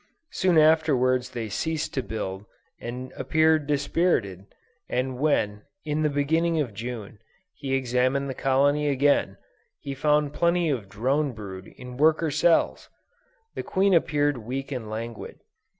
Soon afterwards they ceased to build, and appeared dispirited; and when, in the beginning of June, he examined the colony again, he found plenty of drone brood in worker cells! The queen appeared weak and languid.